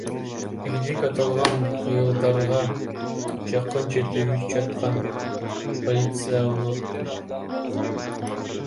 Бийлик аталган айылдарга жакын жерде үч жаткан полиция орнотту.